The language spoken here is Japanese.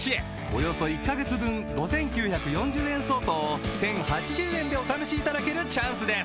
およそ１カ月分５，９４０円相当を１，０８０円でお試しいただけるチャンスです